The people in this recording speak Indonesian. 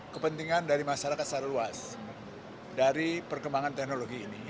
kepentingan dari masyarakat secara luas dari perkembangan teknologi ini